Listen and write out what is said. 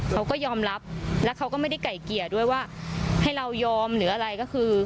เขาก็ยอมรับแล้วเขาก็ไม่ได้ไก่เกลี่ยด้วยว่าให้เรายอมหรืออะไรก็คือ